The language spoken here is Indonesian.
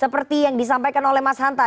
seperti yang disampaikan oleh mas hanta